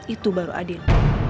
itu baru adil